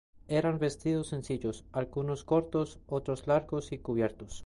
Eran vestidos sencillos, algunos cortos, otros largos y cubiertos.